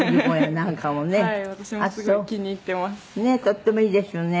とってもいいですよね。